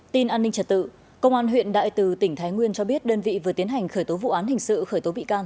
tin an ninh trật tự công an huyện đại từ tỉnh thái nguyên cho biết đơn vị vừa tiến hành khởi tố vụ án hình sự khởi tố bị can